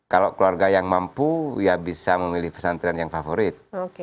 kalau keluarga yang mampu ya bisa memilih pesantren yang favorit